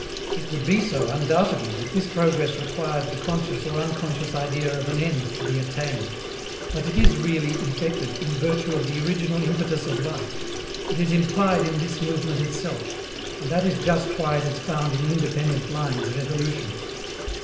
It would be so, undoubtedly, if this progress required the conscious or unconscious idea of an end to be attained. But it is really effected in virtue of the original impetus of life; it is implied in this movement itself, and that is just why it is found in independent lines of evolution.